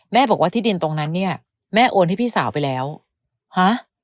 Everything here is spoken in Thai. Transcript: บอกว่าที่ดินตรงนั้นเนี่ยแม่โอนให้พี่สาวไปแล้วฮะ